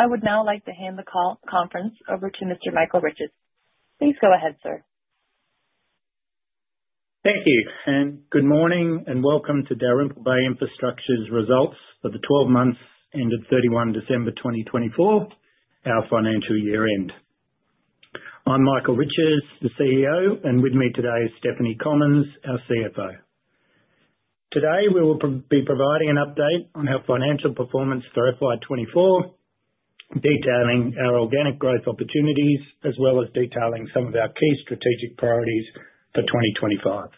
I would now like to hand the conference over to Mr. Michael Riches. Please go ahead, sir. Thank you, and good morning, and welcome to Dalrymple Bay Infrastructure's results for the 12 months ended 31 December 2024, our financial year-end. I'm Michael Riches, the CEO, and with me today is Stephanie Commons, our CFO. Today we will be providing an update on our financial performance for FY24, detailing our organic growth opportunities as well as detailing some of our key strategic priorities for 2025.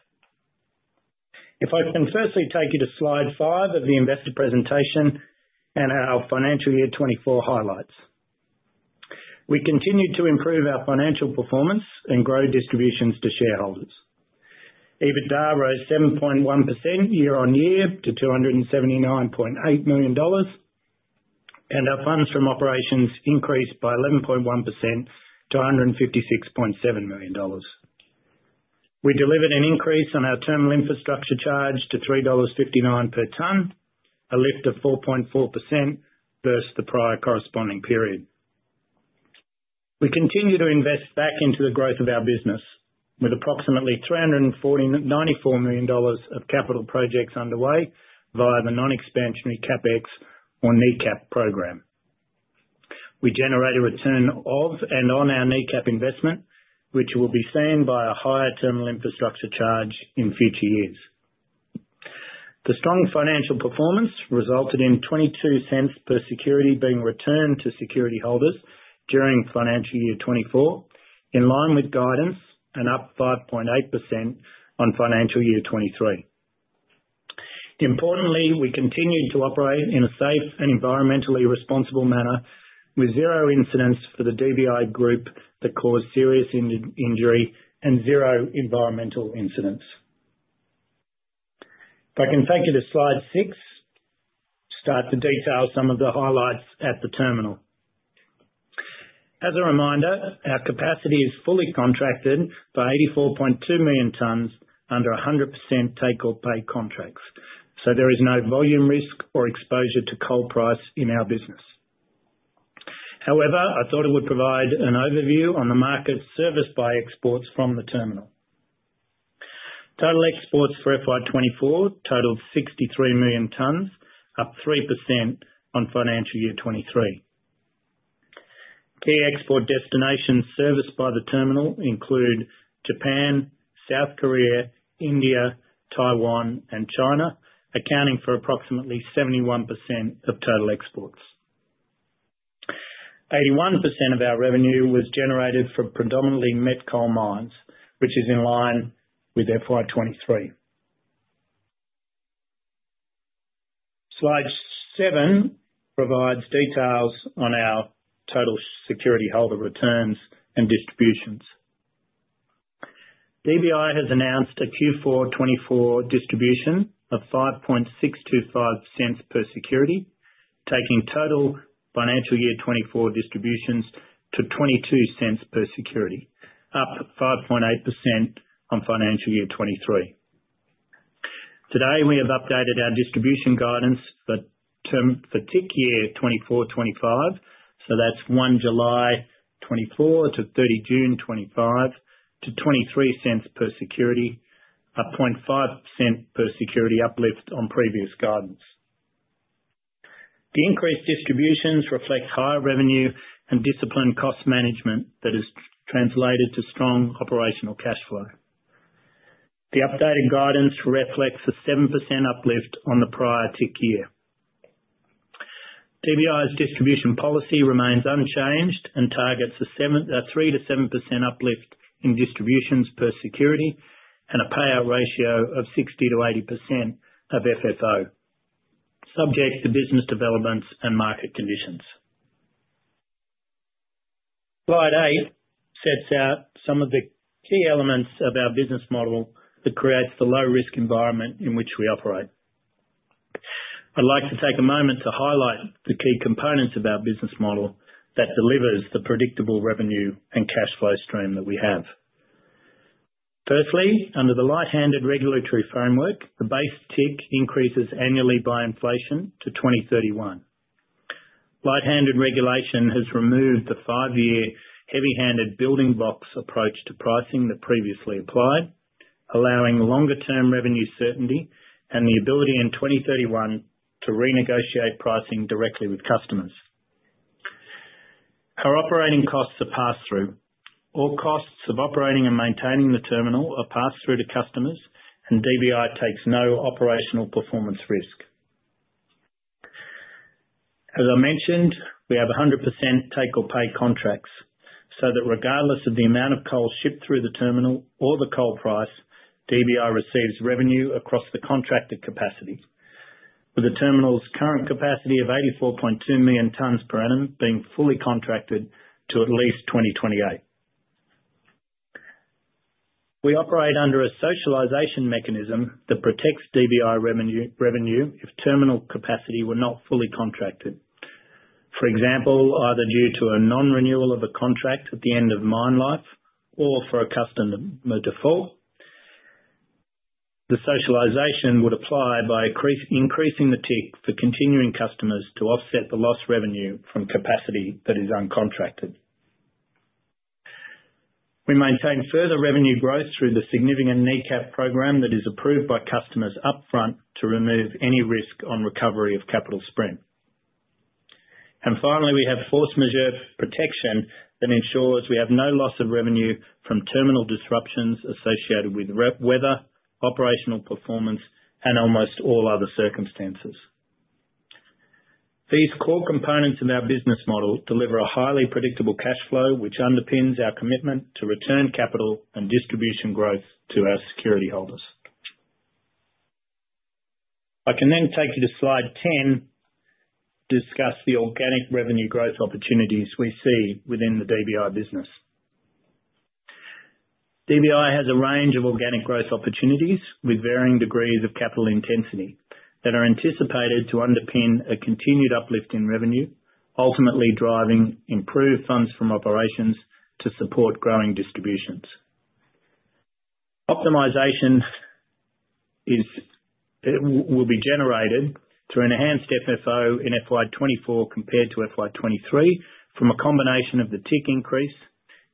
If I can firstly take you to slide five of the investor presentation and our financial year 24 highlights. We continue to improve our financial performance and grow distributions to shareholders. EBITDA rose 7.1% year-on-year to $279.8 million, and our funds from operations increased by 11.1% to $156.7 million. We delivered an increase on our Terminal Infrastructure Charge to $3.59 per ton, a lift of 4.4% versus the prior corresponding period. We continue to invest back into the growth of our business with approximately 394 million dollars of capital projects underway via the non-expansionary CapEx or NECAP program. We generate a return of and on our NECAP investment, which will be seen by a higher Terminal Infrastructure Charge in future years. The strong financial performance resulted in 0.22 per security being returned to security holders during financial year 2024, in line with guidance and up 5.8% on financial year 2023. Importantly, we continue to operate in a safe and environmentally responsible manner with zero incidents for the DBI group that caused serious injury and zero environmental incidents. If I can take you to slide six to start to detail some of the highlights at the terminal. As a reminder, our capacity is fully contracted by 84.2 million tons under 100% take-or-pay contracts, so there is no volume risk or exposure to coal price in our business. However, I thought I would provide an overview on the market serviced by exports from the terminal. Total exports for FY24 totaled 63 million tons, up 3% on financial year 2023. Key export destinations serviced by the terminal include Japan, South Korea, India, Taiwan, and China, accounting for approximately 71% of total exports. 81% of our revenue was generated from predominantly met coal mines, which is in line with FY23. Slide seven provides details on our total security holder returns and distributions. DBI has announced a Q4/24 distribution of 0.05625 per security, taking total financial year 2024 distributions to 0.22 per security, up 5.8% on financial year 2023. Today we have updated our distribution guidance for TIC Year 24/25, so that's 1 July 2024 to 30 June 2025 to 0.23 per security, a 0.005 per security uplift on previous guidance. The increased distributions reflect higher revenue and disciplined cost management that has translated to strong operational cash flow. The updated guidance reflects a 7% uplift on the prior TIC Year. DBI's distribution policy remains unchanged and targets a 3%-7% uplift in distributions per security and a payout ratio of 60%-80% of FFO, subject to business developments and market conditions. Slide eight sets out some of the key elements of our business model that creates the low-risk environment in which we operate. I'd like to take a moment to highlight the key components of our business model that delivers the predictable revenue and cash flow stream that we have. Firstly, under the light-handed regulatory framework, the base TIC increases annually by inflation to 2031. Light-handed regulation has removed the five-year heavy-handed building blocks approach to pricing that previously applied, allowing longer-term revenue certainty and the ability in 2031 to renegotiate pricing directly with customers. Our operating costs are passed through. All costs of operating and maintaining the terminal are passed through to customers, and DBI takes no operational performance risk. As I mentioned, we have 100% take-or-pay contracts so that regardless of the amount of coal shipped through the terminal or the coal price, DBI receives revenue across the contracted capacity, with the terminal's current capacity of 84.2 million tons per annum being fully contracted to at least 2028. We operate under a socialization mechanism that protects DBI revenue if terminal capacity were not fully contracted, for example, either due to a non-renewal of a contract at the end of mine life or for a customer default. The socialization would apply by increasing the TIC for continuing customers to offset the lost revenue from capacity that is uncontracted. We maintain further revenue growth through the significant NECAP program that is approved by customers upfront to remove any risk on recovery of capital spend. And finally, we have force majeure protection that ensures we have no loss of revenue from terminal disruptions associated with weather, operational performance, and almost all other circumstances. These core components of our business model deliver a highly predictable cash flow, which underpins our commitment to return capital and distribution growth to our security holders. I can then take you to slide 10 to discuss the organic revenue growth opportunities we see within the DBI business. DBI has a range of organic growth opportunities with varying degrees of capital intensity that are anticipated to underpin a continued uplift in revenue, ultimately driving improved funds from operations to support growing distributions. Optimization will be generated through enhanced FFO in FY24 compared to FY23 from a combination of the TIC increase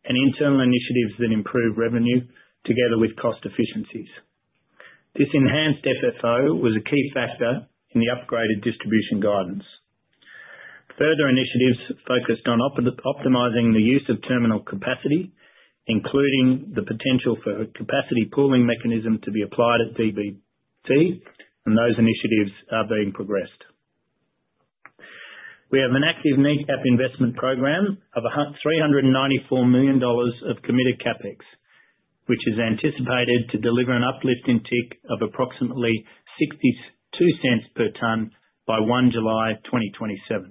and internal initiatives that improve revenue together with cost efficiencies. This enhanced FFO was a key factor in the upgraded distribution guidance. Further initiatives focused on optimizing the use of terminal capacity, including the potential for a capacity pooling mechanism to be applied at DBT, and those initiatives are being progressed. We have an active NECAP investment program of 394 million dollars of committed CapEx, which is anticipated to deliver an uplift in TIC of approximately 0.62 per ton by 1 July 2027.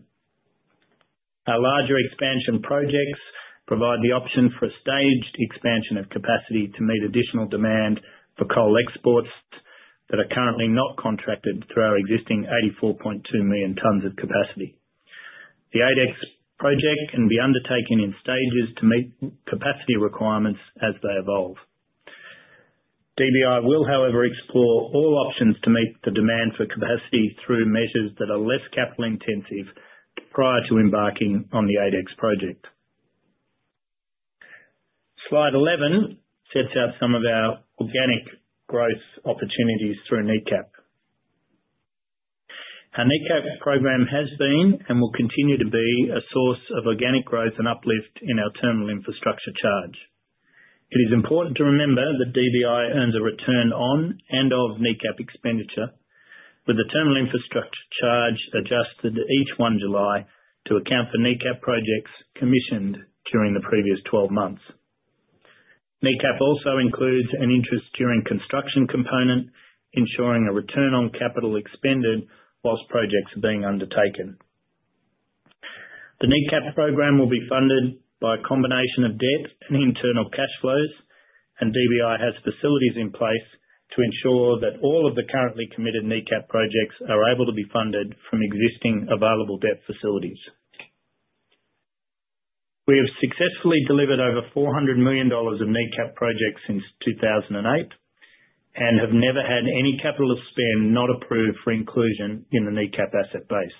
Our larger expansion projects provide the option for a staged expansion of capacity to meet additional demand for coal exports that are currently not contracted through our existing 84.2 million tons of capacity. The 8X Project can be undertaken in stages to meet capacity requirements as they evolve. DBI will, however, explore all options to meet the demand for capacity through measures that are less capital intensive prior to embarking on the 8X Project. Slide 11 sets out some of our organic growth opportunities through NECAP. Our NECAP program has been and will continue to be a source of organic growth and uplift in our Terminal Infrastructure Charge. It is important to remember that DBI earns a return on and of NECAP expenditure, with the Terminal Infrastructure Charge adjusted each 1 July to account for NECAP projects commissioned during the previous 12 months. NECAP also includes an interest during construction component, ensuring a return on capital expended while projects are being undertaken. The NECAP program will be funded by a combination of debt and internal cash flows, and DBI has facilities in place to ensure that all of the currently committed NECAP projects are able to be funded from existing available debt facilities. We have successfully delivered over 400 million dollars of NECAP projects since 2008 and have never had any capital overspend not approved for inclusion in the NECAP asset base.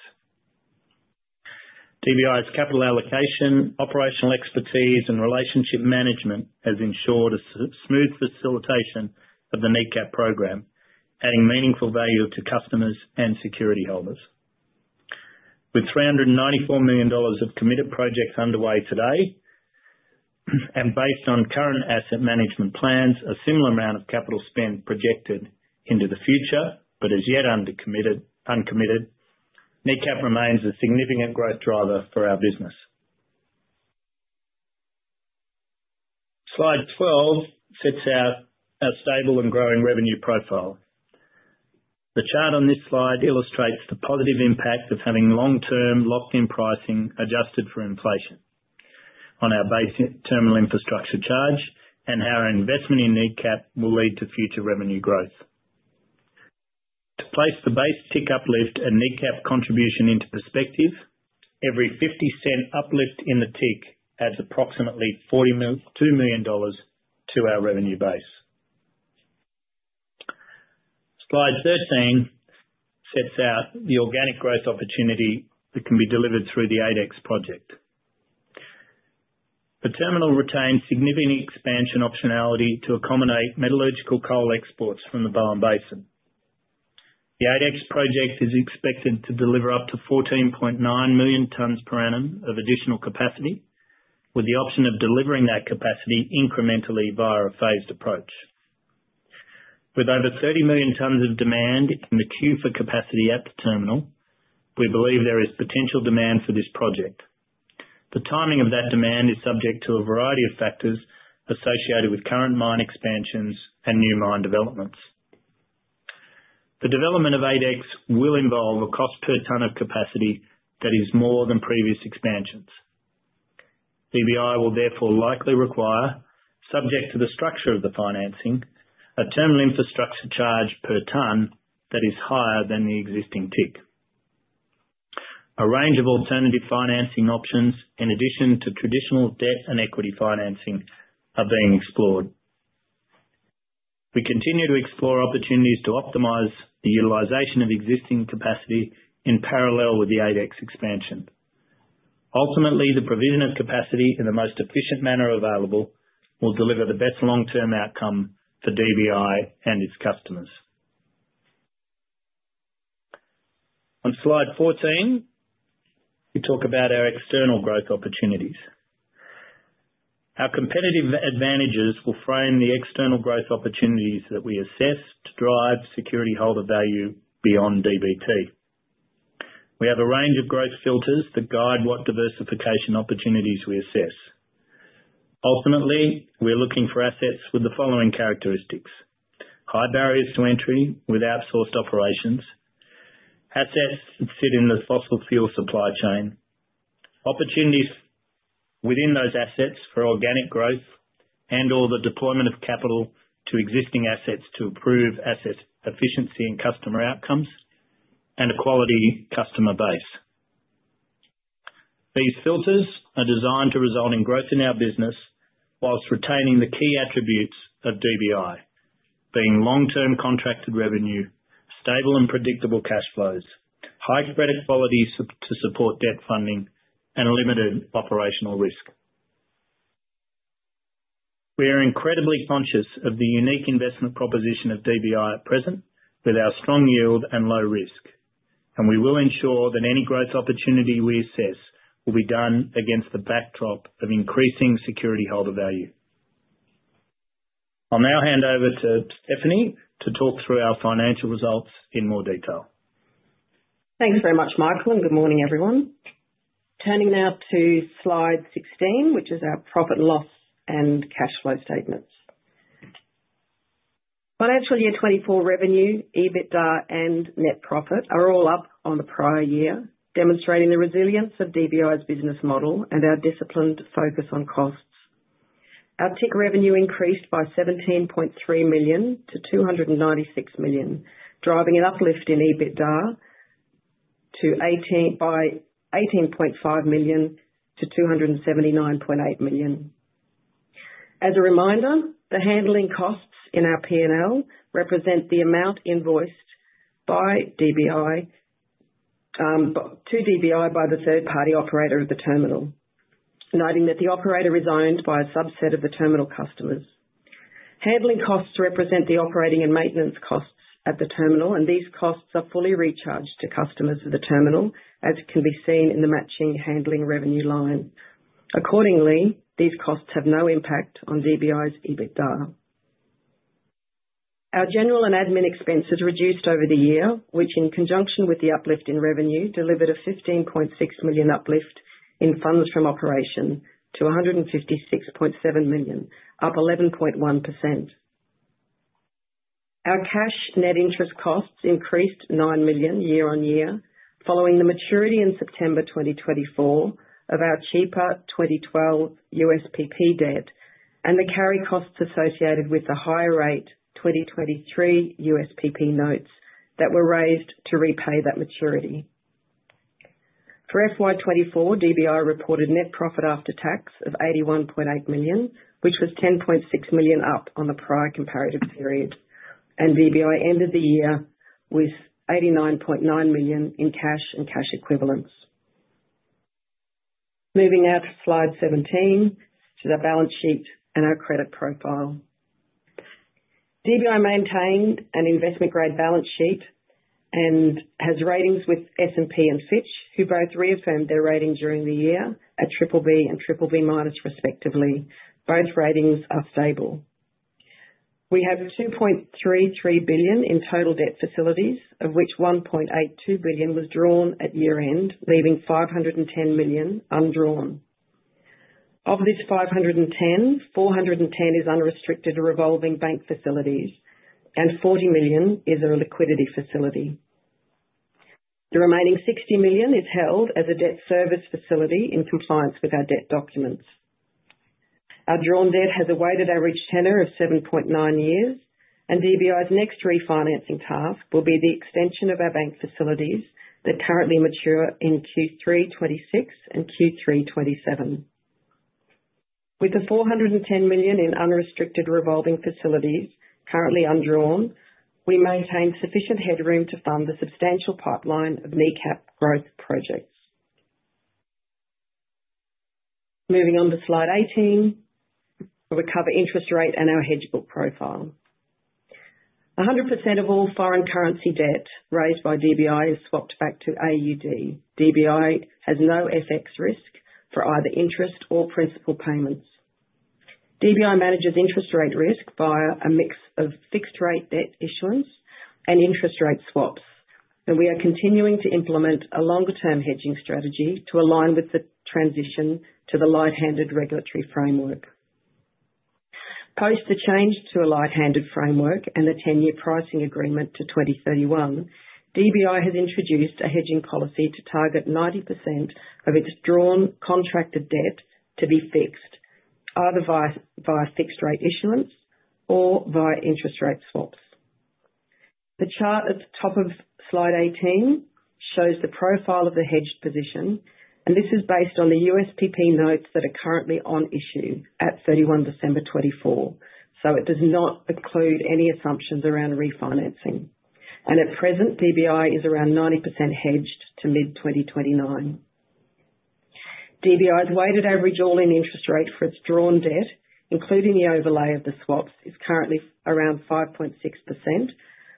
DBI's capital allocation, operational expertise, and relationship management have ensured a smooth facilitation of the NECAP program, adding meaningful value to customers and security holders. With 394 million dollars of committed projects underway today and based on current asset management plans, a similar amount of capital spend projected into the future but is yet uncommitted, NECAP remains a significant growth driver for our business. Slide 12 sets out our stable and growing revenue profile. The chart on this slide illustrates the positive impact of having long-term locked-in pricing adjusted for inflation on our base Terminal Infrastructure Charge and how our investment in NECAP will lead to future revenue growth. To place the base TIC uplift and NECAP contribution into perspective, every 0.50 uplift in the TIC adds approximately 2 million dollars to our revenue base. Slide 13 sets out the organic growth opportunity that can be delivered through the 8X Project. The terminal retains significant expansion optionality to accommodate metallurgical coal exports from the Bowen Basin. The 8X Project is expected to deliver up to 14.9 million tons per annum of additional capacity, with the option of delivering that capacity incrementally via a phased approach. With over 30 million tons of demand in the queue for capacity at the terminal, we believe there is potential demand for this project. The timing of that demand is subject to a variety of factors associated with current mine expansions and new mine developments. The development of 8X will involve a cost per ton of capacity that is more than previous expansions. DBI will therefore likely require, subject to the structure of the financing, a Terminal Infrastructure Charge per ton that is higher than the existing TIC. A range of alternative financing options, in addition to traditional debt and equity financing, are being explored. We continue to explore opportunities to optimize the utilization of existing capacity in parallel with the 8X expansion. Ultimately, the provision of capacity in the most efficient manner available will deliver the best long-term outcome for DBI and its customers. On slide 14, we talk about our external growth opportunities. Our competitive advantages will frame the external growth opportunities that we assess to drive security holder value beyond DBT. We have a range of growth filters that guide what diversification opportunities we assess. Ultimately, we're looking for assets with the following characteristics: high barriers to entry with outsourced operations, assets that sit in the fossil fuel supply chain, opportunities within those assets for organic growth and/or the deployment of capital to existing assets to improve asset efficiency and customer outcomes, and a quality customer base. These filters are designed to result in growth in our business while retaining the key attributes of DBI, being long-term contracted revenue, stable and predictable cash flows, high credit quality to support debt funding, and limited operational risk. We are incredibly conscious of the unique investment proposition of DBI at present with our strong yield and low risk, and we will ensure that any growth opportunity we assess will be done against the backdrop of increasing security holder value. I'll now hand over to Stephanie to talk through our financial results in more detail. Thanks very much, Michael, and good morning, everyone. Turning now to slide 16, which is our profit and loss and cash flow statements. Financial year 2024 revenue, EBITDA, and net profit are all up on the prior year, demonstrating the resilience of DBI's business model and our disciplined focus on costs. Our TIC revenue increased by 17.3 million to 296 million, driving an uplift in EBITDA by 18.5 million to 279.8 million. As a reminder, the handling costs in our P&L represent the amount invoiced to DBI by the third-party operator of the terminal, noting that the operator is owned by a subset of the terminal customers. Handling costs represent the operating and maintenance costs at the terminal, and these costs are fully recharged to customers of the terminal, as can be seen in the matching handling revenue line. Accordingly, these costs have no impact on DBI's EBITDA. Our general and admin expenses reduced over the year, which, in conjunction with the uplift in revenue, delivered a 15.6 million uplift in funds from operations to 156.7 million, up 11.1%. Our cash net interest costs increased 9 million year on year, following the maturity in September 2024 of our cheaper 2012 USPP debt and the carry costs associated with the higher rate 2023 USPP notes that were raised to repay that maturity. For FY24, DBI reported net profit after tax of 81.8 million, which was 10.6 million up on the prior comparative period, and DBI ended the year with 89.9 million in cash and cash equivalents. Moving out to slide 17, to the balance sheet and our credit profile. DBI maintained an investment-grade balance sheet and has ratings with S&P and Fitch, who both reaffirmed their ratings during the year at BBB and BBB minus, respectively. Both ratings are stable. We have 2.33 billion in total debt facilities, of which 1.82 billion was drawn at year-end, leaving 510 million undrawn. this 510 million, 410 million is unrestricted revolving bank facilities, and 40 million is a liquidity facility. The remaining 60 million is held as a debt service facility in compliance with our debt documents. Our drawn debt has a weighted average tenor of 7.9 years, and DBI's next refinancing task will be the extension of our bank facilities that currently mature in Q3 2026 and Q3 2027. With the 410 million in unrestricted revolving facilities currently undrawn, we maintain sufficient headroom to fund the substantial pipeline of NECAP growth projects. Moving on to slide 18, we cover interest rate and our hedge book profile. 100% of all foreign currency debt raised by DBI is swapped back to AUD. DBI has no FX risk for either interest or principal payments. DBI manages interest rate risk via a mix of fixed-rate debt issuance and interest rate swaps, and we are continuing to implement a longer-term hedging strategy to align with the transition to the light-handed regulatory framework. Post the change to a light-handed framework and the 10-year pricing agreement to 2031, DBI has introduced a hedging policy to target 90% of its drawn contracted debt to be fixed, either via fixed-rate issuance or via interest rate swaps. The chart at the top of slide 18 shows the profile of the hedged position, and this is based on the USPP notes that are currently on issue at 31 December 2024, so it does not include any assumptions around refinancing. At present, DBI is around 90% hedged to mid-2029. DBI's weighted average all-in interest rate for its drawn debt, including the overlay of the swaps, is currently around 5.6%,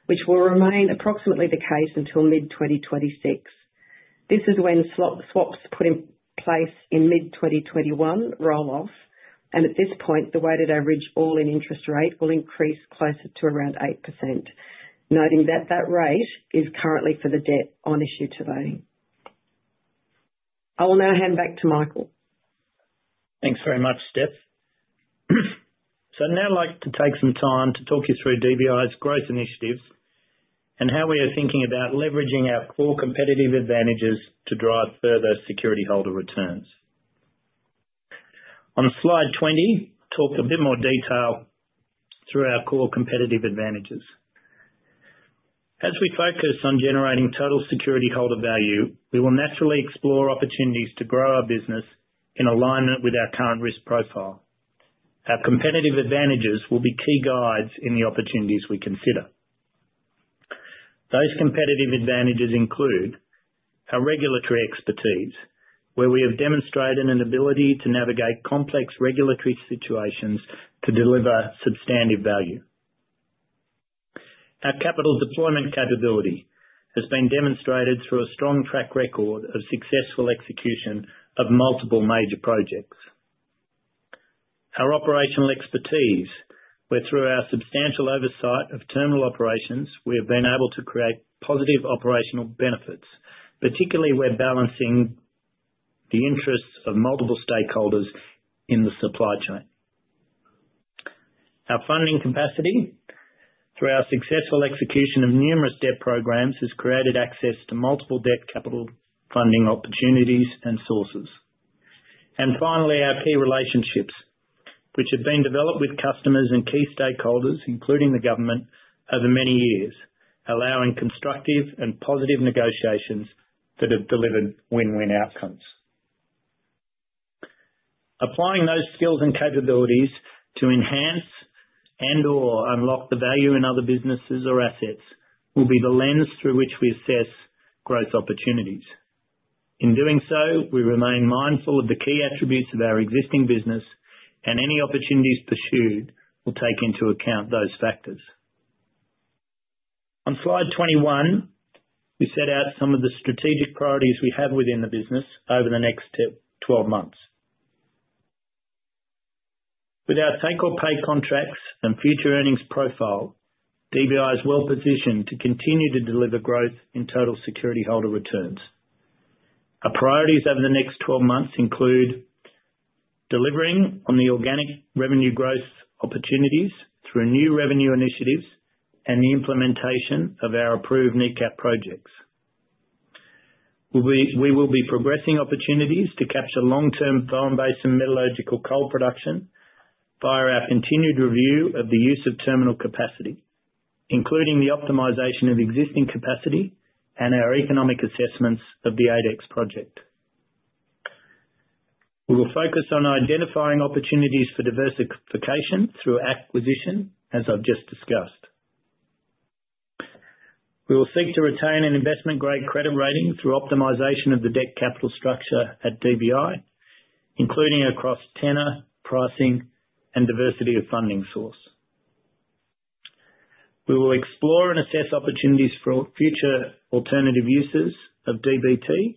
which will remain approximately the case until mid-2026. This is when swaps put in place in mid-2021 roll-off, and at this point, the weighted average all-in interest rate will increase closer to around 8%, noting that that rate is currently for the debt on issue today. I will now hand back to Michael. Thanks very much, Steph. So I'd now like to take some time to talk you through DBI's growth initiatives and how we are thinking about leveraging our core competitive advantages to drive further security holder returns. On slide 20, we'll talk a bit more detail through our core competitive advantages. As we focus on generating total security holder value, we will naturally explore opportunities to grow our business in alignment with our current risk profile. Our competitive advantages will be key guides in the opportunities we consider. Those competitive advantages include our regulatory expertise, where we have demonstrated an ability to navigate complex regulatory situations to deliver substantive value. Our capital deployment capability has been demonstrated through a strong track record of successful execution of multiple major projects. Our operational expertise, where through our substantial oversight of terminal operations, we have been able to create positive operational benefits, particularly when balancing the interests of multiple stakeholders in the supply chain. Our funding capacity, through our successful execution of numerous debt programs, has created access to multiple debt capital funding opportunities and sources. And finally, our key relationships, which have been developed with customers and key stakeholders, including the government, over many years, allowing constructive and positive negotiations that have delivered win-win outcomes. Applying those skills and capabilities to enhance and/or unlock the value in other businesses or assets will be the lens through which we assess growth opportunities. In doing so, we remain mindful of the key attributes of our existing business, and any opportunities pursued will take into account those factors. On slide 21, we set out some of the strategic priorities we have within the business over the next 12 months. With our take-or-pay contracts and future earnings profile, DBI is well positioned to continue to deliver growth in total security holder returns. Our priorities over the next 12 months include delivering on the organic revenue growth opportunities through new revenue initiatives and the implementation of our approved NECAP projects. We will be progressing opportunities to capture long-term Bowen Basin metallurgical coal production via our continued review of the use of terminal capacity, including the optimization of existing capacity and our economic assessments of the 8X Project. We will focus on identifying opportunities for diversification through acquisition, as I've just discussed. We will seek to retain an investment-grade credit rating through optimization of the debt capital structure at DBI, including across tenor, pricing, and diversity of funding source. We will explore and assess opportunities for future alternative uses of DBT.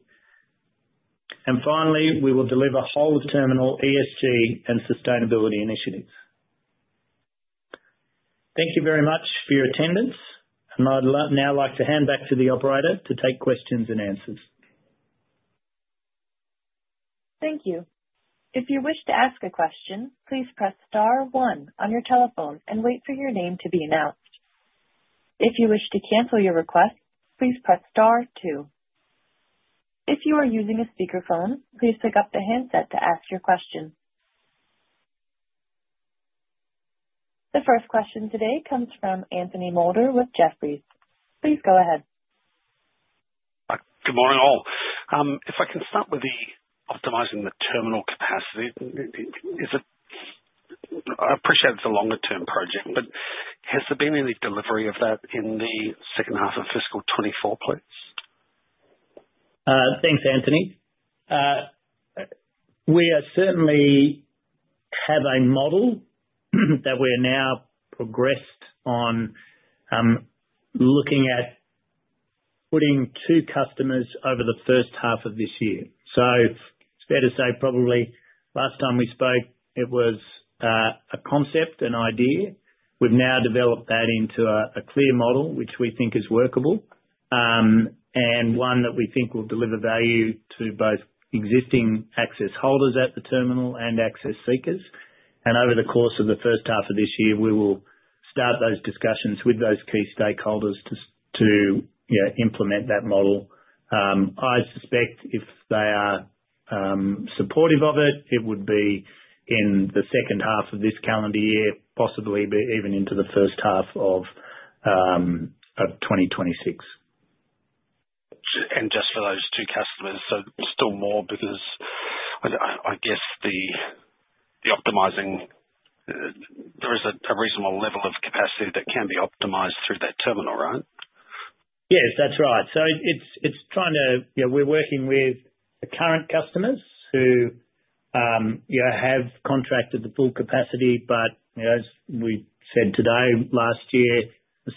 And finally, we will deliver whole of terminal ESG and sustainability initiatives. Thank you very much for your attendance, and I'd now like to hand back to the operator to take questions and answers. Thank you. If you wish to ask a question, please press star one on your telephone and wait for your name to be announced. If you wish to cancel your request, please press star two. If you are using a speakerphone, please pick up the handset to ask your question. The first question today comes from Anthony Moulder with Jefferies. Please go ahead. Good morning, all. If I can start with optimizing the terminal capacity, I appreciate it's a longer-term project, but has there been any delivery of that in the second half of fiscal 2024, please? Thanks, Anthony. We certainly have a model that we're now progressed on looking at putting two customers over the first half of this year. So it's fair to say probably last time we spoke, it was a concept, an idea. We've now developed that into a clear model, which we think is workable, and one that we think will deliver value to both existing access holders at the terminal and access seekers. Over the course of the first half of this year, we will start those discussions with those key stakeholders to implement that model. I suspect if they are supportive of it, it would be in the second half of this calendar year, possibly even into the first half of 2026. Just for those two customers, so still more because I guess the optimizing, there is a reasonable level of capacity that can be optimized through that terminal, right? Yes, that's right. It's trying to, we're working with the current customers who have contracted the full capacity, but as we said today, last year,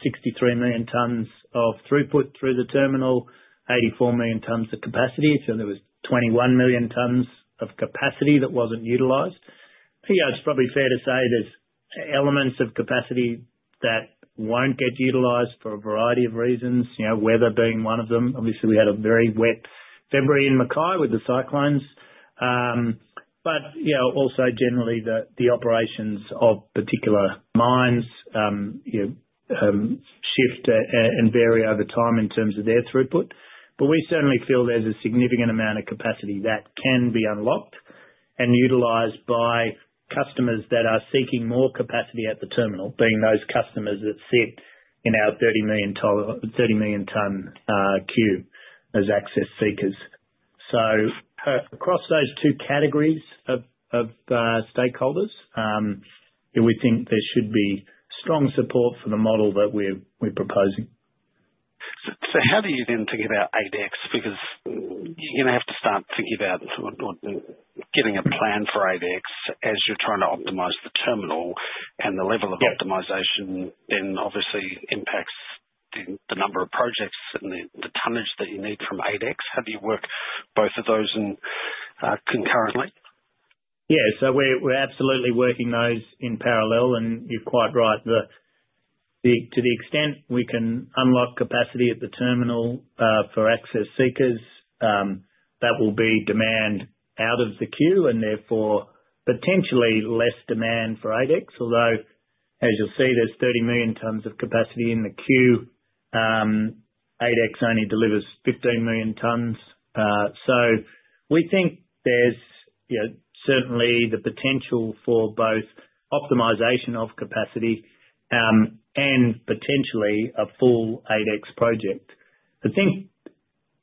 63 million tons of throughput through the terminal, 84 million tons of capacity. There was 21 million tons of capacity that wasn't utilized. It's probably fair to say there's elements of capacity that won't get utilized for a variety of reasons, weather being one of them. Obviously, we had a very wet February in Mackay with the cyclones. But also generally, the operations of particular mines shift and vary over time in terms of their throughput. But we certainly feel there's a significant amount of capacity that can be unlocked and utilized by customers that are seeking more capacity at the terminal, being those customers that sit in our 30 million-ton queue as access seekers. So across those two categories of stakeholders, we think there should be strong support for the model that we're proposing. So how do you then think about 8X? Because you're going to have to start thinking about getting a plan for 8X as you're trying to optimize the terminal, and the level of optimization then obviously impacts the number of projects and the tonnage that you need from 8X. Have you worked both of those concurrently? Yes. So we're absolutely working those in parallel, and you're quite right. To the extent we can unlock capacity at the terminal for access seekers, that will be demand out of the queue and therefore potentially less demand for 8X. Although, as you'll see, there's 30 million tons of capacity in the queue, 8X only delivers 15 million tons. So we think there's certainly the potential for both optimization of capacity and potentially a full 8X Project. I think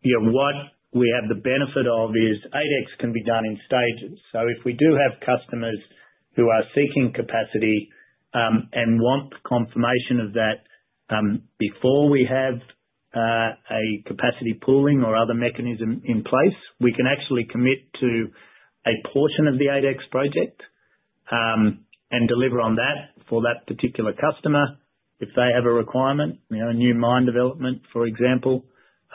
what we have the benefit of is 8X can be done in stages. So if we do have customers who are seeking capacity and want confirmation of that before we have a capacity pooling or other mechanism in place, we can actually commit to a portion of the 8X Project and deliver on that for that particular customer if they have a requirement, a new mine development, for example.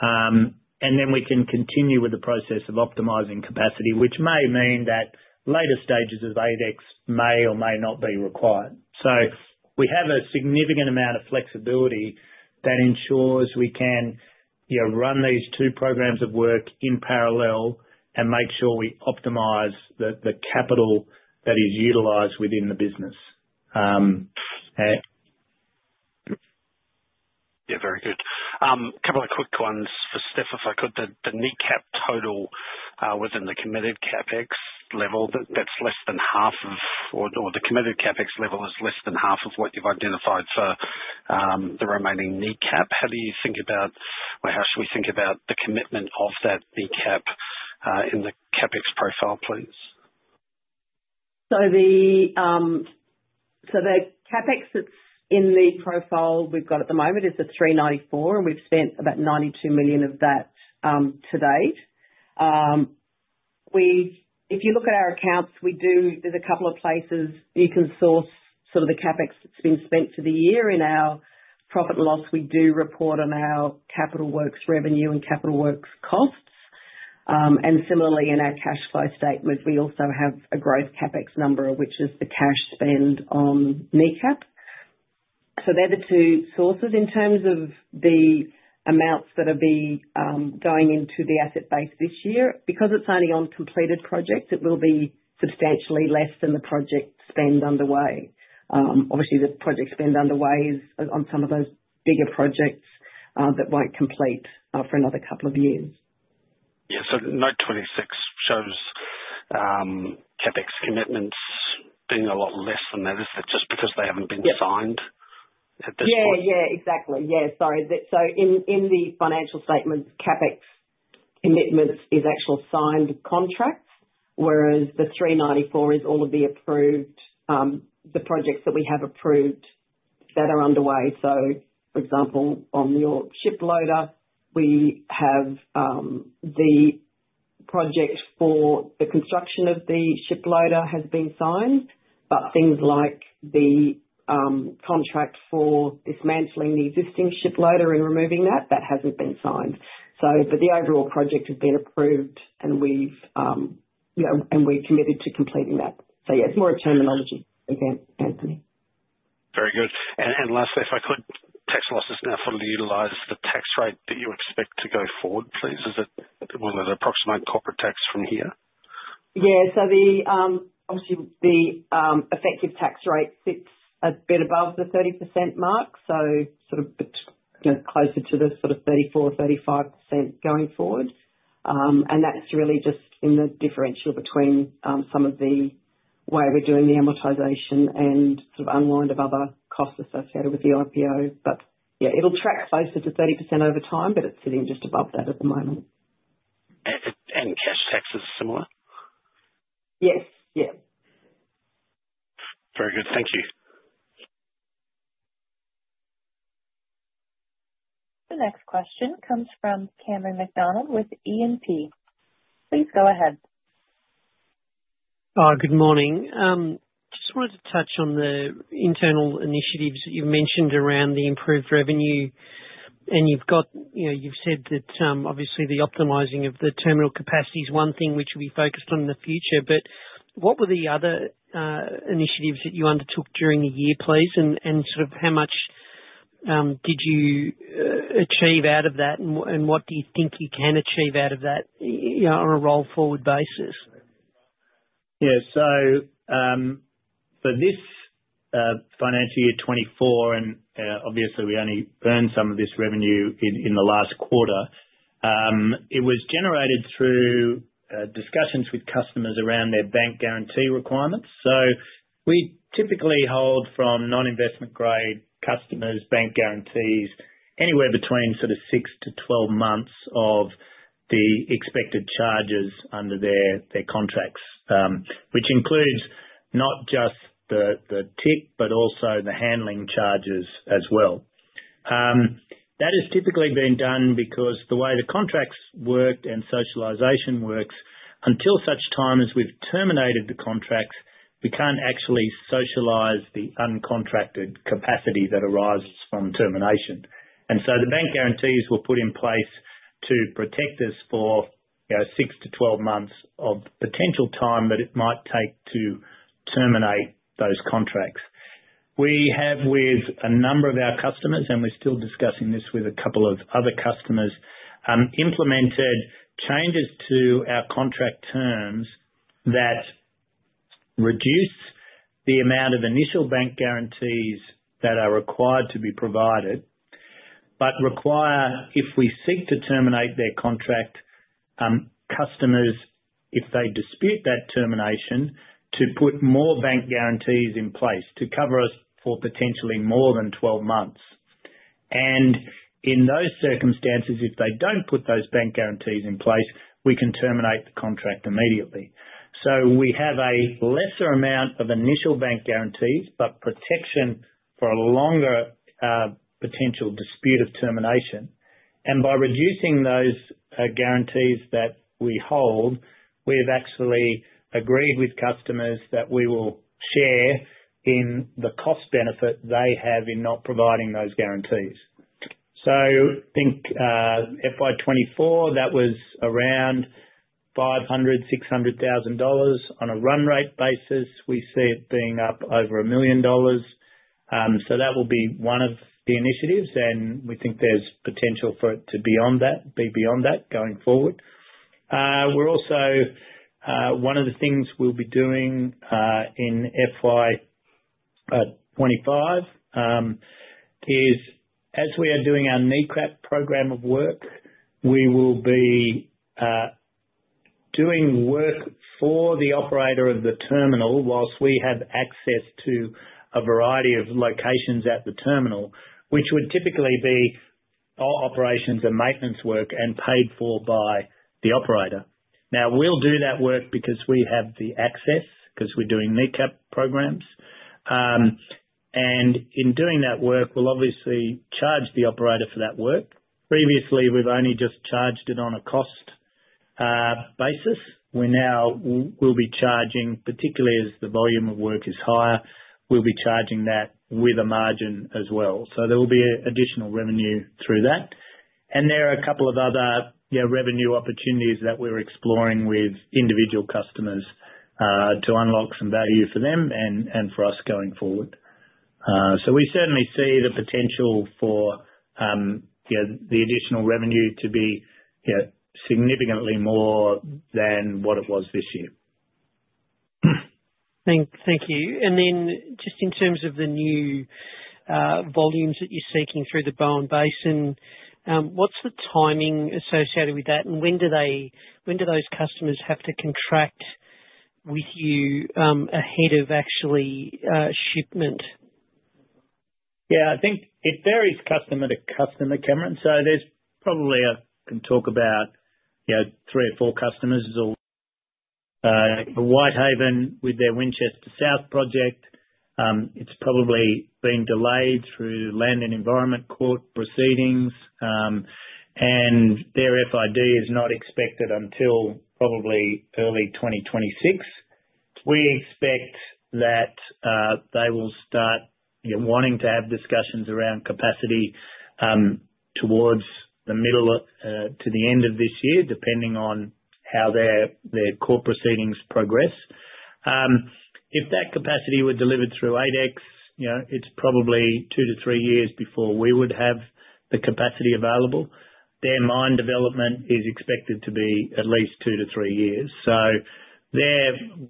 And then we can continue with the process of optimizing capacity, which may mean that later stages of 8X may or may not be required. So we have a significant amount of flexibility that ensures we can run these two programs of work in parallel and make sure we optimize the capital that is utilized within the business. Yeah, very good. A couple of quick ones for Steph, if I could. The NECAP total within the committed CapEx level, that's less than half of, or the committed CapEx level is less than half of what you've identified for the remaining NECAP. How do you think about, or how should we think about the commitment of that NECAP in the CapEx profile, please? The CapEx that's in the profile we've got at the moment is at 394 million, and we've spent about 92 million of that to date. If you look at our accounts, there's a couple of places you can source sort of the CapEx that's been spent for the year. In our profit and loss, we do report on our capital works revenue and capital works costs. And similarly, in our cash flow statement, we also have a gross CapEx number, which is the cash spend on NECAP. So they're the two sources in terms of the amounts that are going into the asset base this year. Because it's only on completed projects, it will be substantially less than the project spend underway. Obviously, the project spend underway is on some of those bigger projects that won't complete for another couple of years. Yeah. So note 26 shows CapEx commitments being a lot less than that, is that just because they haven't been signed at this point? Yeah. Yeah, exactly. Yeah. Sorry. So in the financial statements, CapEx commitments is actual signed contracts, whereas the 394 is all of the approved projects that we have approved that are underway. So, for example, on your ship loader, we have the project for the construction of the ship loader has been signed, but things like the contract for dismantling the existing ship loader and removing that, that hasn't been signed. But the overall project has been approved, and we've committed to completing that. So yeah, it's more a terminology again, Anthony. Very good. And lastly, if I could, tax losses now fully utilize the tax rate that you expect to go forward, please? Will it approximate corporate tax from here? Yeah. So obviously, the effective tax rate sits a bit above the 30% mark, so sort of closer to the sort of 34%-35% going forward. And that's really just in the differential between some of the way we're doing the amortization and sort of unwind of other costs associated with the IPO. But yeah, it'll track closer to 30% over time, but it's sitting just above that at the moment. And cash taxes similar? Yes. Yeah. Very good. Thank you. The next question comes from Cameron McDonald with E&P. Please go ahead. Good morning. Just wanted to touch on the internal initiatives that you've mentioned around the improved revenue. And you've said that obviously the optimizing of the terminal capacity is one thing which we focused on in the future. But what were the other initiatives that you undertook during the year, please? And sort of how much did you achieve out of that, and what do you think you can achieve out of that on a roll-forward basis? Yeah. So for this financial year 2024, and obviously, we only earned some of this revenue in the last quarter, it was generated through discussions with customers around their bank guarantee requirements. We typically hold from non-investment-grade customers bank guarantees anywhere between sort of six-12 months of the expected charges under their contracts, which includes not just the TIC, but also the handling charges as well. That has typically been done because the way the contracts work and socialization works, until such time as we've terminated the contracts, we can't actually socialize the uncontracted capacity that arises from termination. And so the bank guarantees were put in place to protect us for six-12 months of potential time that it might take to terminate those contracts. We have, with a number of our customers, and we're still discussing this with a couple of other customers, implemented changes to our contract terms that reduce the amount of initial bank guarantees that are required to be provided, but require, if we seek to terminate their contract, customers, if they dispute that termination, to put more bank guarantees in place to cover us for potentially more than 12 months. And in those circumstances, if they don't put those bank guarantees in place, we can terminate the contract immediately. So we have a lesser amount of initial bank guarantees, but protection for a longer potential dispute of termination. And by reducing those guarantees that we hold, we have actually agreed with customers that we will share in the cost benefit they have in not providing those guarantees. So I think FY24, that was around 500,000-600,000 dollars. On a run rate basis, we see it being up over 1 million dollars. So that will be one of the initiatives, and we think there's potential for it to be beyond that going forward. We're also, one of the things we'll be doing in FY25 is, as we are doing our NECAP program of work, we will be doing work for the operator of the terminal while we have access to a variety of locations at the terminal, which would typically be operations and maintenance work and paid for by the operator. Now, we'll do that work because we have the access, because we're doing NECAP programs. And in doing that work, we'll obviously charge the operator for that work. Previously, we've only just charged it on a cost basis. We'll be charging, particularly as the volume of work is higher, we'll be charging that with a margin as well. So there will be additional revenue through that. And there are a couple of other revenue opportunities that we're exploring with individual customers to unlock some value for them and for us going forward. So we certainly see the potential for the additional revenue to be significantly more than what it was this year. Thank you. And then just in terms of the new volumes that you're seeking through the Bowen Basin, what's the timing associated with that, and when do those customers have to contract with you ahead of actually shipment? Yeah. I think it varies customer to customer, Cameron. So there's probably, can talk about three or four customers. The Whitehaven with their Winchester South Project, it's probably been delayed through Land and Environment Court proceedings, and their FID is not expected until probably early 2026. We expect that they will start wanting to have discussions around capacity towards the middle to the end of this year, depending on how their court proceedings progress. If that capacity were delivered through 8X, it's probably two to three years before we would have the capacity available. Their mine development is expected to be at least two to three years. So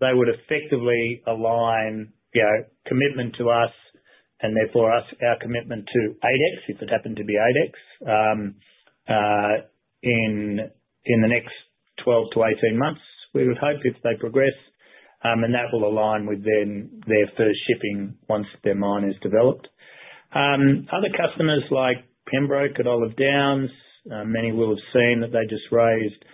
they would effectively align commitment to us and therefore our commitment to 8X, if it happened to be 8X, in the next 12 to 18 months, we would hope if they progress, and that will align with then their first shipping once their mine is developed. Other customers like Pembroke at Olive Downs, many will have seen that they just raised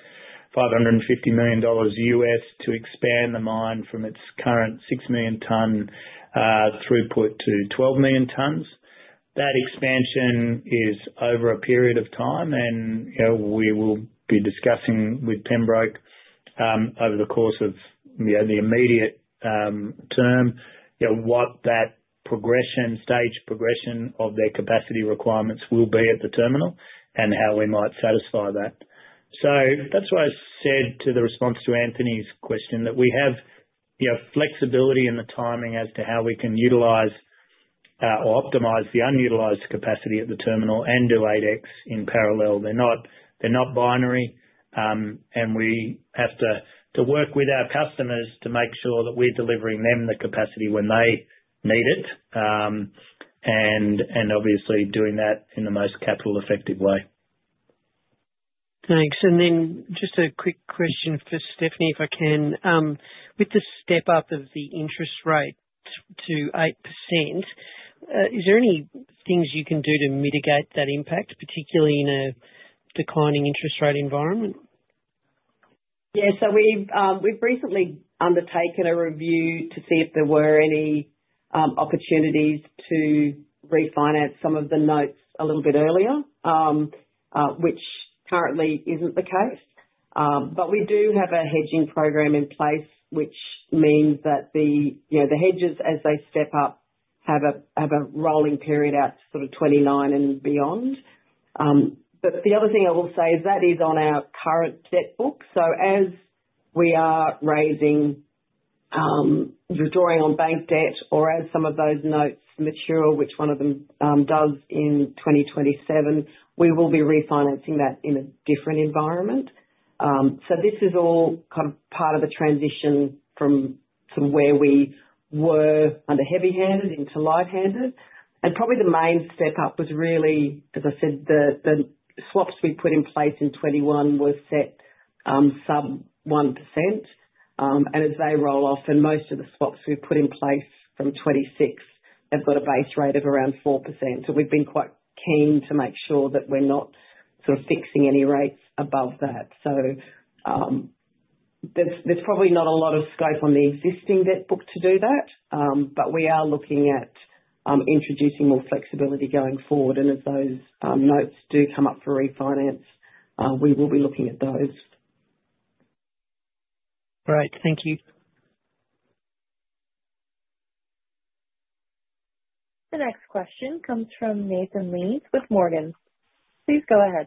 $550 million USD to expand the mine from its current 6 million ton throughput to 12 million tons. That expansion is over a period of time, and we will be discussing with Pembroke over the course of the immediate term what that progression, stage progression of their capacity requirements will be at the terminal and how we might satisfy that. So that's why I said in response to Anthony's question that we have flexibility in the timing as to how we can utilize or optimize the unutilized capacity at the terminal and do 8X in parallel. They're not binary, and we have to work with our customers to make sure that we're delivering them the capacity when they need it and obviously doing that in the most capital-effective way. Thanks. And then just a quick question for Stephanie, if I can. With the step up of the interest rate to 8%, is there any things you can do to mitigate that impact, particularly in a declining interest rate environment? Yeah. So we've recently undertaken a review to see if there were any opportunities to refinance some of the notes a little bit earlier, which currently isn't the case. But we do have a hedging program in place, which means that the hedges, as they step up, have a rolling period out to sort of 29 and beyond. But the other thing I will say is that is on our current debt book. So as we are raising, withdrawing on bank debt, or as some of those notes mature, which one of them does in 2027, we will be refinancing that in a different environment. So this is all kind of part of the transition from where we were under heavy-handed into light-handed. And probably the main step up was really, as I said, the swaps we put in place in 2021 were set sub 1%. And as they roll off, and most of the swaps we put in place from 2026 have got a base rate of around 4%. So we've been quite keen to make sure that we're not sort of fixing any rates above that. So there's probably not a lot of scope on the existing debt book to do that, but we are looking at introducing more flexibility going forward. And if those notes do come up for refinance, we will be looking at those. All right. Thank you. The next question comes from Nathan Lead with Morgan. Please go ahead.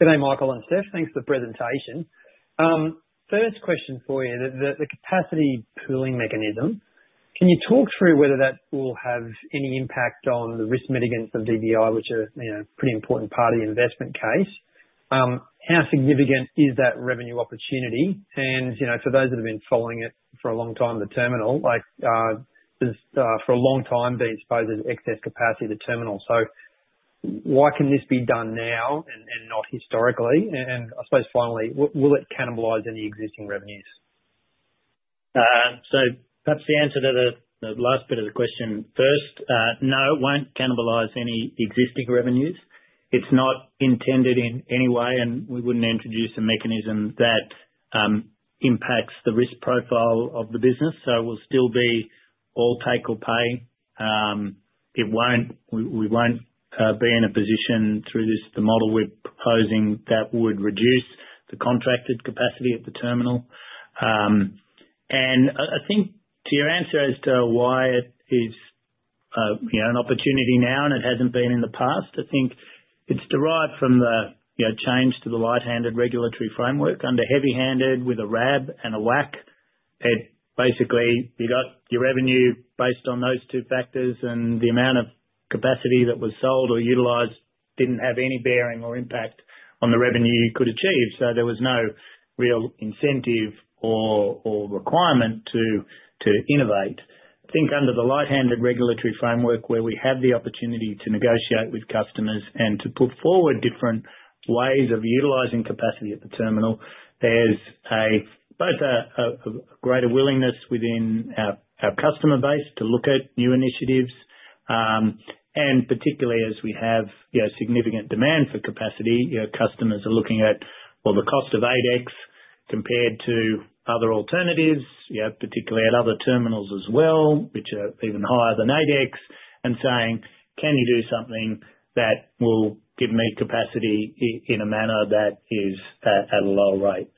Good day, Michael and Steph. Thanks for the presentation. First question for you, the capacity pooling mechanism. Can you talk through whether that will have any impact on the risk mitigants of DBI, which are a pretty important part of the investment case? How significant is that revenue opportunity? And for those that have been following it for a long time, the terminal, for a long time, they suppose there's excess capacity at the terminal. So why can this be done now and not historically? And I suppose finally, will it cannibalize any existing revenues? So perhaps the answer to the last bit of the question first, no, it won't cannibalize any existing revenues. It's not intended in any way, and we wouldn't introduce a mechanism that impacts the risk profile of the business. So it will still be all take or pay. We won't be in a position through the model we're proposing that would reduce the contracted capacity at the terminal. And I think to your answer as to why it is an opportunity now and it hasn't been in the past, I think it's derived from the change to the light-handed regulatory framework. Under heavy-handed with a RAB and a WACC, basically you got your revenue based on those two factors, and the amount of capacity that was sold or utilized didn't have any bearing or impact on the revenue you could achieve. So there was no real incentive or requirement to innovate. I think under the light-handed regulatory framework, where we have the opportunity to negotiate with customers and to put forward different ways of utilizing capacity at the terminal, there's both a greater willingness within our customer base to look at new initiatives. Particularly as we have significant demand for capacity, customers are looking at, well, the cost of 8X compared to other alternatives, particularly at other terminals as well, which are even higher than 8X, and saying, "Can you do something that will give me capacity in a manner that is at a lower rate?"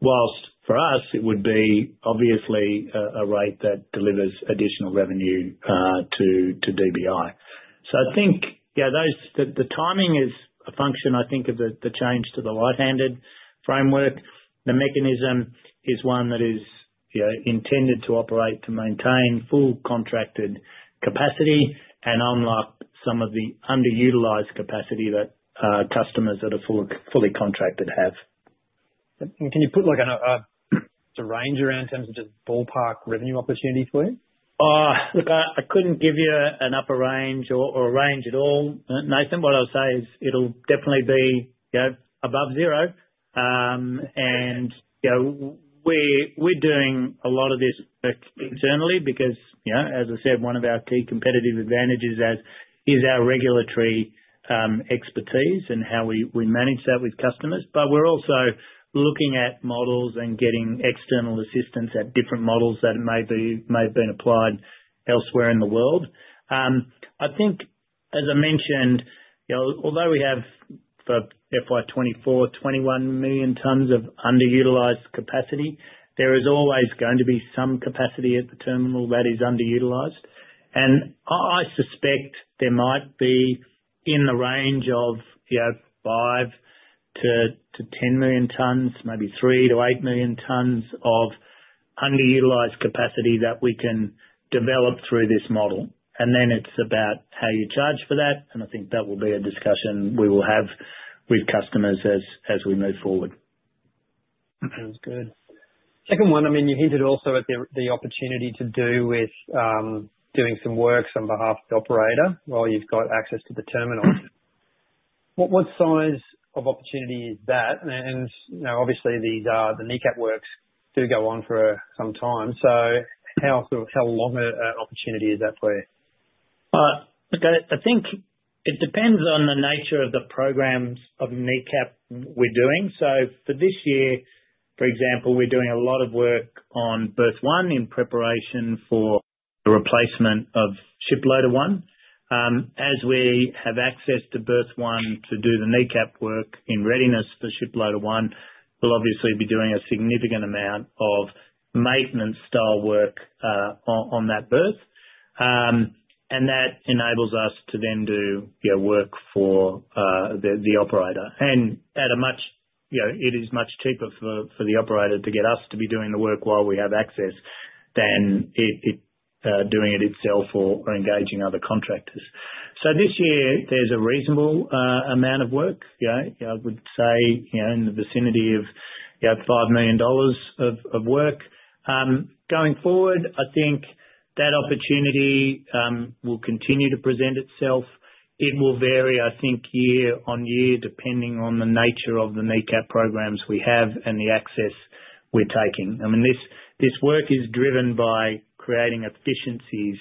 While for us, it would be obviously a rate that delivers additional revenue to DBI. I think the timing is a function, I think, of the change to the light-handed framework. The mechanism is one that is intended to operate to maintain full contracted capacity and unlock some of the underutilized capacity that customers that are fully contracted have. Can you put a range around in terms of just ballpark revenue opportunity for you? Look, I couldn't give you an upper range or a range at all, Nathan. What I'll say is it'll definitely be above zero. And we're doing a lot of this work internally because, as I said, one of our key competitive advantages is our regulatory expertise and how we manage that with customers. But we're also looking at models and getting external assistance at different models that may have been applied elsewhere in the world. I think, as I mentioned, although we have for FY24, 21 million tons of underutilized capacity, there is always going to be some capacity at the terminal that is underutilized. And I suspect there might be in the range of 5-10 million tons, maybe 3-8 million tons of underutilized capacity that we can develop through this model. And then it's about how you charge for that. And I think that will be a discussion we will have with customers as we move forward. Sounds good. Second one, I mean, you hinted also at the opportunity to do with doing some work on behalf of the operator while you've got access to the terminal. What size of opportunity is that? And obviously, the NECAP works do go on for some time. So how long an opportunity is that for you? Look, I think it depends on the nature of the programs of NECAP we're doing. So for this year, for example, we're doing a lot of work on Berth 1 in preparation for the replacement of Shiploader 1. As we have access to Berth 1 to do the NECAP work in readiness for Shiploader 1, we'll obviously be doing a significant amount of maintenance-style work on that berth. And that enables us to then do work for the operator. It is much cheaper for the operator to get us to be doing the work while we have access than doing it itself or engaging other contractors. So this year, there's a reasonable amount of work. I would say in the vicinity of 5 million dollars of work. Going forward, I think that opportunity will continue to present itself. It will vary, I think, year on year depending on the nature of the NECAP programs we have and the access we're taking. I mean, this work is driven by creating efficiencies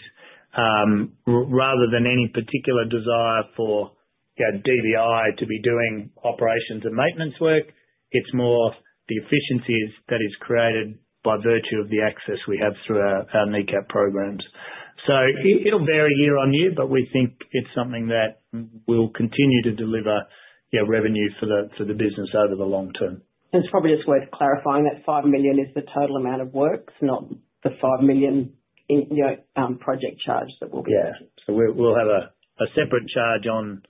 rather than any particular desire for DBI to be doing operations and maintenance work. It's more the efficiencies that are created by virtue of the access we have through our NECAP programs. So it'll vary year on year, but we think it's something that will continue to deliver revenue for the business over the long term. It's probably just worth clarifying that 5 million is the total amount of work, not the 5 million project charge that will be. Yeah. We'll have a separate charge on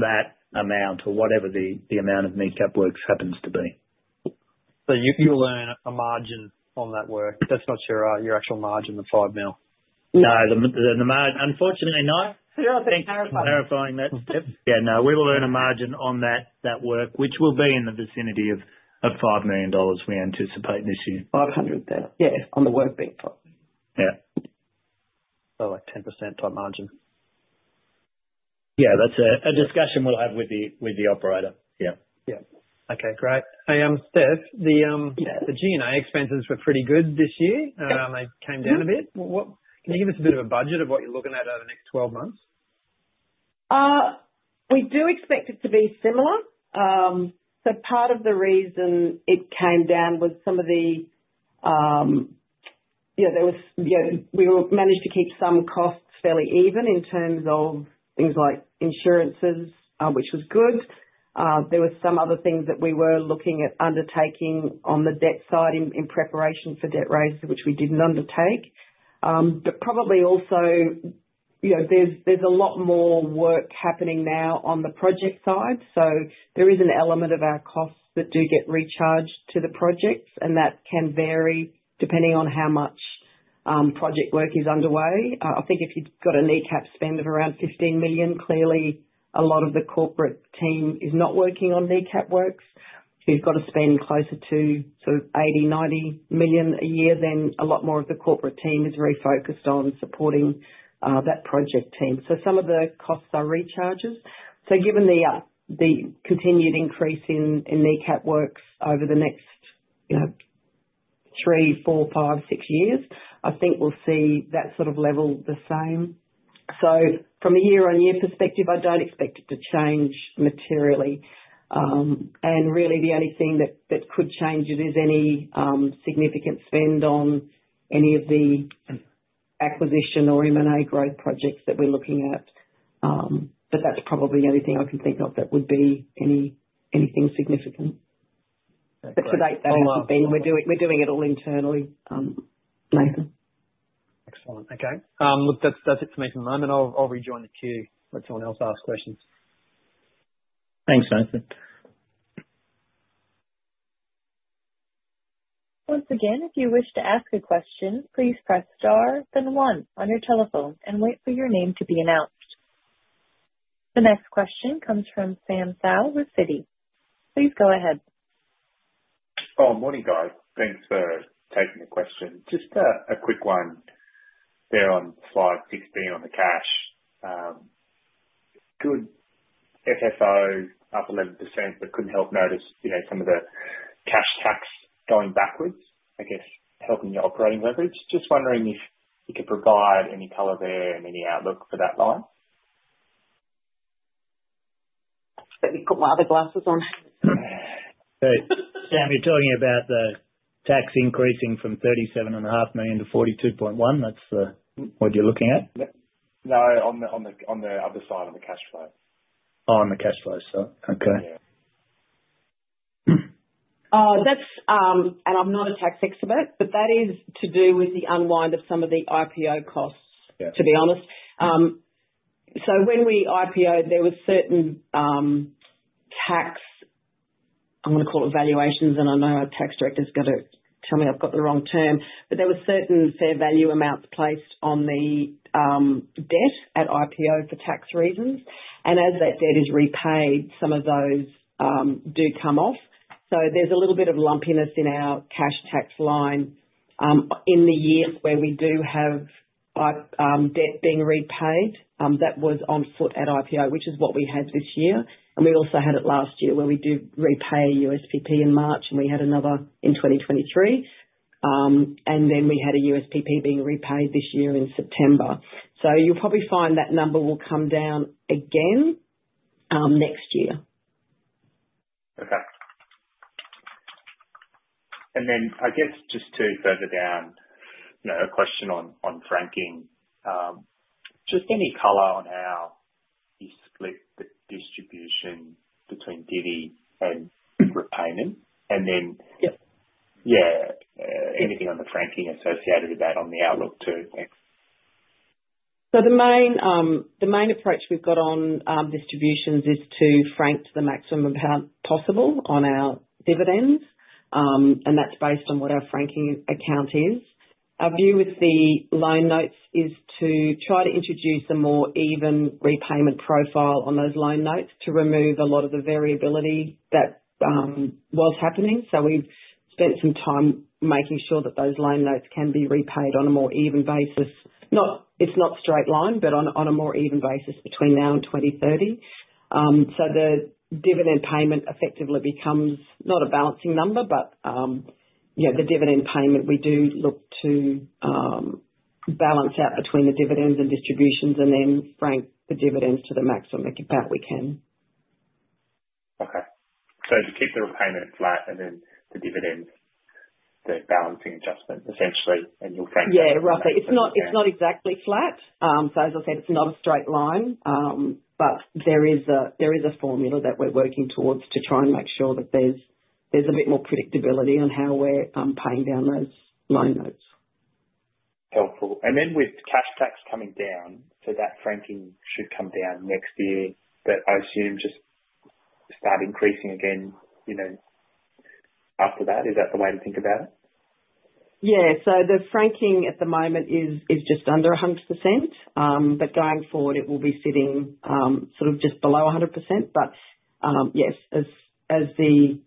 that amount or whatever the amount of NECAP works happens to be. So you'll earn a margin on that work. That's not your actual margin, the 5 mil? No. Unfortunately, no. Thanks for clarifying that. Yeah. No, we will earn a margin on that work, which will be in the vicinity of $5 million we anticipate this year. $500 there. Yeah. On the work being put. Yeah. So like 10% type margin. Yeah. That's a discussion we'll have with the operator. Yeah. Yeah. Okay. Great. Hey, Steph, the G&A expenses were pretty good this year. They came down a bit. Can you give us a bit of a budget of what you're looking at over the next 12 months? We do expect it to be similar. So part of the reason it came down was some of the, we managed to keep some costs fairly even in terms of things like insurances, which was good. There were some other things that we were looking at undertaking on the debt side in preparation for debt raises, which we didn't undertake. But probably also there's a lot more work happening now on the project side. So there is an element of our costs that do get recharged to the projects, and that can vary depending on how much project work is underway. I think if you've got a NECAP spend of around 15 million, clearly a lot of the corporate team is not working on NECAP works. If you've got a spend closer to sort of 80-90 million a year, then a lot more of the corporate team is very focused on supporting that project team. So some of the costs are recharges. So given the continued increase in NECAP works over the next three, four, five, six years, I think we'll see that sort of level the same. So from a year-on-year perspective, I don't expect it to change materially. And really, the only thing that could change it is any significant spend on any of the acquisition or M&A growth projects that we're looking at. But that's probably the only thing I can think of that would be anything significant. But for that, that hasn't been. We're doing it all internally, Nathan. Excellent. Okay. Look, that's it for me for the moment. I'll rejoin the queue and let someone else ask questions. Thanks, Nathan. Once again, if you wish to ask a question, please press star, then one on your telephone, and wait for your name to be announced. The next question comes from Sam Seow with Citi. Please go ahead. Oh, morning, guys. Thanks for taking the question. Just a quick one there on slide 16 on the cash. Good FFO, up 11%, but couldn't help notice some of the cash tax going backwards, I guess, helping the operating leverage. Just wondering if you could provide any color there and any outlook for that line. Let me put my other glasses on. So Sam, you're talking about the tax increasing from 37.5 million to 42.1 million? That's what you're looking at? No, on the other side of the cash flow. On the cash flow, so. Okay. Yeah. I'm not a tax expert, but that is to do with the unwind of some of the IPO costs, to be honest. So when we IPO, there were certain tax, I'm going to call it, valuations, and I know our tax director's going to tell me I've got the wrong term, but there were certain fair value amounts placed on the debt at IPO for tax reasons. And as that debt is repaid, some of those do come off. So there's a little bit of lumpiness in our cash tax line in the years where we do have debt being repaid that was on foot at IPO, which is what we had this year. And we also had it last year where we did repay USPP in March, and we had another in 2023. And then we had a USPP being repaid this year in September. So you'll probably find that number will come down again next year. Okay. And then I guess just to further down a question on franking, just any color on how you split the distribution between DBI and repayment? And then, yeah, anything on the franking associated with that on the outlook too? So the main approach we've got on distributions is to frank to the maximum amount possible on our dividends. And that's based on what our franking account is. Our view with the loan notes is to try to introduce a more even repayment profile on those loan notes to remove a lot of the variability that was happening. So we've spent some time making sure that those loan notes can be repaid on a more even basis. It's not straight-line, but on a more even basis between now and 2030. The dividend payment effectively becomes not a balancing number, but the dividend payment we do look to balance out between the dividends and distributions and then frank the dividends to the maximum amount we can. Okay. To keep the repayment flat and then the dividends, the balancing adjustment, essentially, and you'll frank the dividends. Yeah, roughly. It's not exactly flat. As I said, it's not a straight line, but there is a formula that we're working towards to try and make sure that there's a bit more predictability on how we're paying down those loan notes. Helpful. With cash tax coming down, so that franking should come down next year, but I assume just start increasing again after that. Is that the way to think about it? Yeah. So the franking at the moment is just under 100%, but going forward, it will be sitting sort of just below 100%. But yes, depending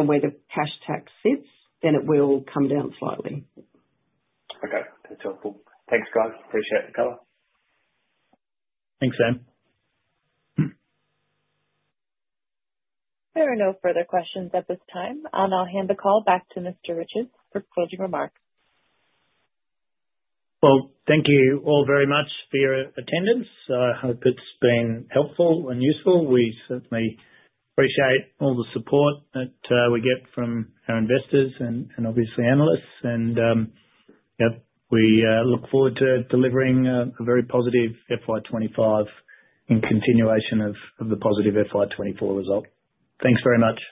on where the cash tax sits, then it will come down slightly. Okay. That's helpful. Thanks, guys. Appreciate the color. Thanks, Sam. There are no further questions at this time. I'll now hand the call back to Mr. Riches for closing remarks. Well, thank you all very much for your attendance. I hope it's been helpful and useful. We certainly appreciate all the support that we get from our investors and obviously analysts, and we look forward to delivering a very positive FY25 in continuation of the positive FY24 result. Thanks very much.